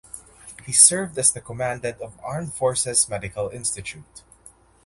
He served as the Commandant of Armed Forces Medical Institute.